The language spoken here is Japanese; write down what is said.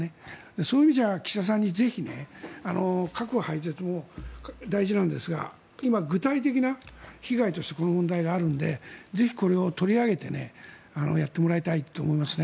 そういう意味では岸田さんにぜひ核廃絶も大事なんですが今、具体的な被害としてこの問題があるのでぜひ、これを取り上げてやってもらいたいと思いますね。